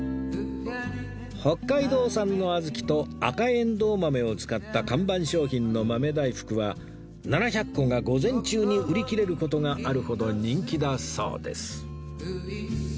北海道産の小豆と赤エンドウ豆を使った看板商品の豆大福は７００個が午前中に売り切れる事があるほど人気だそうです